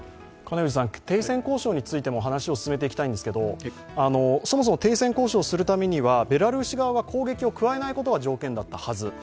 停戦交渉についても話を進めていきたいんですけれども、そもそも停戦交渉するためにはベラルーシ側が攻撃を加えないことが条件だったはず。